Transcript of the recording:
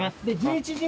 １１時？